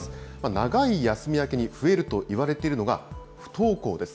長い休み明けに増えるといわれているのが、不登校です。